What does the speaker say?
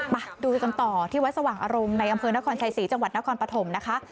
มาดูกันต่อที่วัดสว่างอารมณ์ในอำเภอนครชัยศรีจังหวัดนครปฐมนะคะ